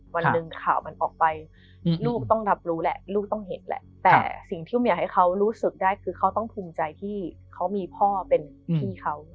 วันหนึ่งข่าวมันออกไปลูกต้องรับรู้แหละลูกต้องเห็นแหละแต่สิ่งที่ไม่อยากให้เขารู้สึกได้คือเขาต้องภูมิใจที่เขามีพ่อเป็นพี่เขา